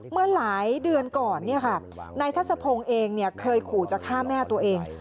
เมื่อหลายเดือนก่อนเนี่ยค่ะนายทัศพงศ์เองเนี่ยเคยขู่จะฆ่าแม่ตัวเอง